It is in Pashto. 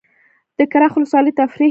د کرخ ولسوالۍ تفریحي ده